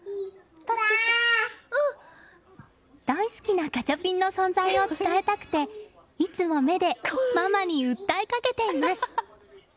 大好きなガチャピンの存在を伝えたくていつも目でママに訴えかけています。